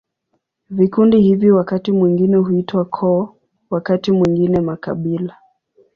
Vikundi hivi wakati mwingine huitwa koo, wakati mwingine makabila.